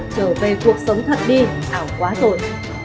trở về cuộc sống thật đi ảo quá rồi